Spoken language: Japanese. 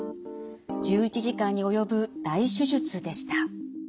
１１時間に及ぶ大手術でした。